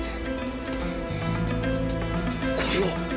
これは！